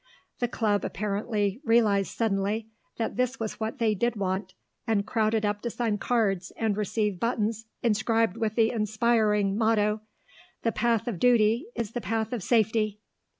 The Club apparently realised suddenly that this was what they did want, and crowded up to sign cards and receive buttons inscribed with the inspiring motto: "The Path of Duty is the Path of Safety."